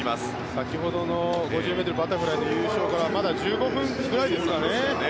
先ほどの５０ｍバタフライの優勝からまだ１５分くらいですからね。